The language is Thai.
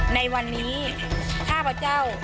ในวันนี้ข้าพเจ้า